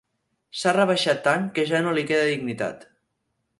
S'ha rebaixat tant que ja no li queda dignitat.